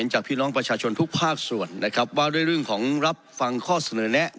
จากพี่น้องประชาชนทุกภาคส่วนนะครับว่าด้วยเรื่องของรับฟังข้อเสนอแนะ